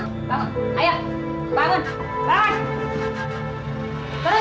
cepet bangun bangun